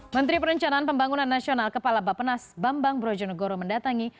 menteri perencanaan pembangunan nasional kepala bapenas bambang brojonegoro mendatangi